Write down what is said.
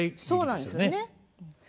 そうなんですよね。